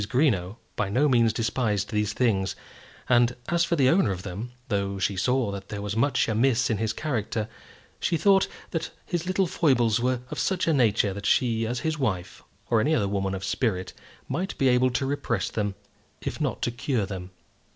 Greenow by no means despised these things; and as for the owner of them, though she saw that there was much amiss in his character, she thought that his little foibles were of such a nature that she, as his wife, or any other woman of spirit, might be able to repress them, if not to cure them.